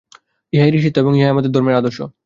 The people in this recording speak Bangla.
ইহাই ঋষিত্ব এবং ইহাই আমাদের ধর্মের আদর্শ।